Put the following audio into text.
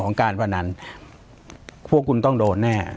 ปากกับภาคภูมิ